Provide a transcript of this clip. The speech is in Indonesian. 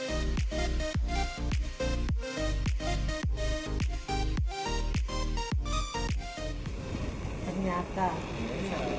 ini saya juga gak tahu itu bagian apa itu